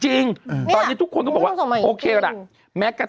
จริงตอนนี้ทุกคนก็บอกว่าโอเคก็ได้